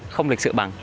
không lịch sự bằng